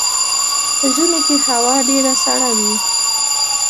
په ژمي کې هوا ډیره سړه وي